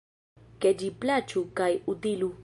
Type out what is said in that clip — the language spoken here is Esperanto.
Ke ĝi plaĉu kaj utilu!